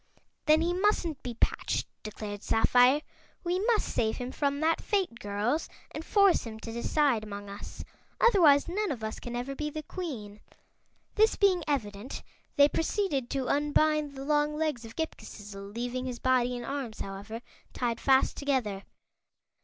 "Then he mustn't be patched," declared Sapphire. "We must save him from that fate, girls, and force him to decide among us. Otherwise, none of us can ever be the Queen." This being evident, they proceeded to unbind the long legs of Ghip Ghisizzle, leaving his body and arms, however, tied fast together.